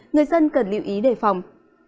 người dân cần lưu ý đề phòng